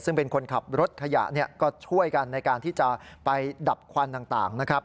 ซึ่งเป็นคนขับรถขยะก็ช่วยกันในการที่จะไปดับควันต่างนะครับ